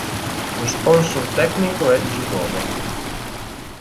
Lo sponsor tecnico è Givova.